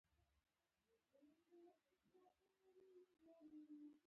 خولۍ په لاس له کټ سره نژدې راته ودرېد.